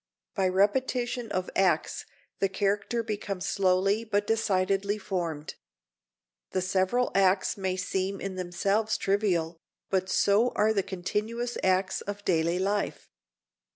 By repetition of acts the character becomes slowly but decidedly formed. The several acts may seem in themselves trivial, but so are the continuous acts of daily life.